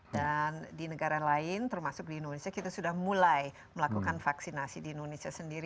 dan di negara lain termasuk di indonesia kita sudah mulai melakukan vaksinasi di indonesia sendiri